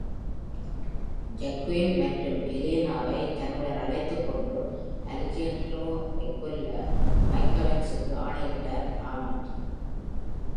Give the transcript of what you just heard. Joaquin மற்றும் Elenaவை தன்னுடன் அழைத்துக்கொண்டு, Alejandroவைக் கொல்ல McGivensக்கு ஆணையிட்டார் Armand.